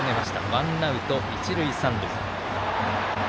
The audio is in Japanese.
ワンアウト、一塁三塁。